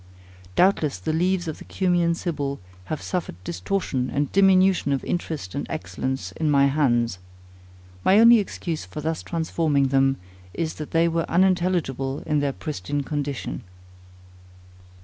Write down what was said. Doubtless the leaves of the Cumæan Sibyl have suffered distortion and diminution of interest and excellence in my hands. My only excuse for thus transforming them, is that they were unintelligible in their pristine condition.